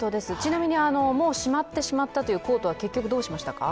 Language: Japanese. ちなみに、もうしまったというコートは、結局どうしました？